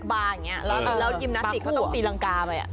บาร์อย่างนี้แล้วยิมนาสติกเขาต้องตีรังกาไป